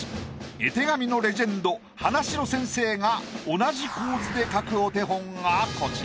絵手紙のレジェンド花城先生が同じ構図で描くお手本がこちら。